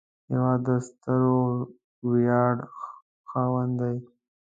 هېواد د ستر ویاړ خاوند دی